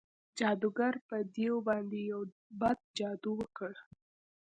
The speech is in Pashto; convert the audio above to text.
جادوګر په دیو باندې یو بد جادو وکړ.